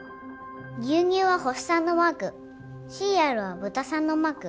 牛乳は星さんのマークシリアルは豚さんのマーク。